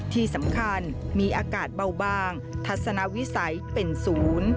ที่สำคัญมีอากาศเบาบางทัศนวิสัยเป็นศูนย์